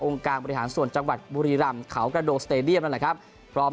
องค์การบริหารส่วนจังหวัดบุรีรัมขาวกระโดสเตรเดียมและครับพร้อม